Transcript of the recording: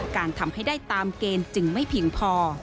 การทำให้ได้ตามเกณฑ์จึงไม่เพียงพอ